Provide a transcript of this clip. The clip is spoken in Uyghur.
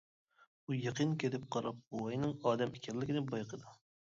ئۇ يېقىن كېلىپ قاراپ بوۋاينىڭ ئادەم ئىكەنلىكىنى بايقىدى.